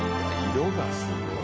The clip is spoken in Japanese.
色がすごい。